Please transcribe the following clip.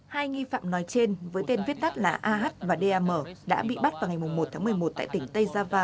hai nghi phạm nói trên với tên viết tắt là ah và dam đã bị bắt vào ngày một tháng một mươi một tại tỉnh tây java